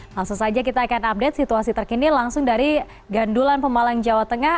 langsung saja kita akan update situasi terkini langsung dari gandulan pemalang jawa tengah